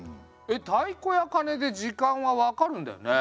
太鼓や鐘で時間は分かるんだよね。